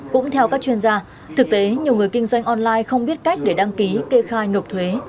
cũng theo các chuyên gia thực tế nhiều người kinh doanh online không biết cách để đăng ký kê khai nộp thuế